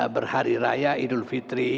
berhari raya idul fitri